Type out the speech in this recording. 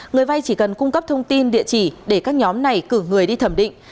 người vay chỉ cần cung cấp thông tin địa chỉ để các nhóm này cử người đi thẩm định